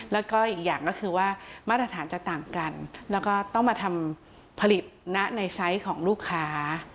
แล้วก็อีกอย่างก็คือว่ามาตรฐานจะต่างกันแล้วก็ต้องมาทำผลิตนะในไซส์ของลูกค้า